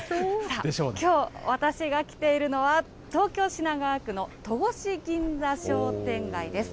きょう、私が来ているのは、東京・品川区の戸越銀座商店街です。